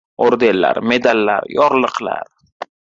Ordenlar! Medallar! Yorliqlar!...